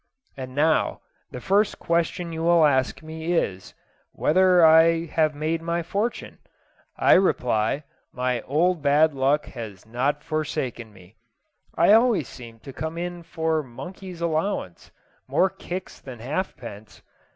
And now, the first question you will ask me is, whether I have made my fortune? I reply, my old bad luck has not forsaken me. I always seem to come in for monkey's allowance more kicks than halfpence.